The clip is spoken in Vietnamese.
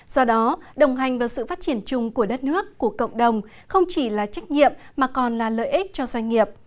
do đó đồng hành vào sự phát triển chung của đất nước của cộng đồng không chỉ là trách nhiệm mà còn là lợi ích cho doanh nghiệp